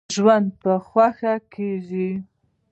ژوند په خوښۍ کیږي.